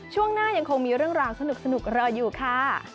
ช่วงหน้ายังคงมีเรื่องราวสนุกรออยู่ค่ะ